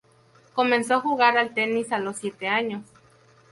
Comenzó a jugar al tenis a los siete años.